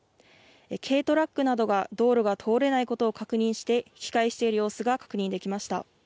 軽トラックなどが、道路が通れないことを確認して、引き返している様子が確認できました。